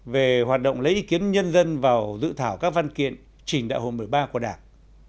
về hoạt động lấy ý kiến nhân dân vào dự thảo các văn kiện trình đại hội một mươi ba của đảng